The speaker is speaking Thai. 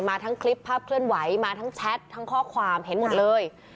ทั้งคลิปภาพเคลื่อนไหวมาทั้งแชททั้งข้อความเห็นหมดเลย